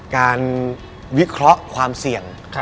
วิเคราะห์ความเสี่ยง